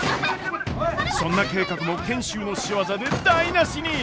そんな計画も賢秀の仕業で台なしに！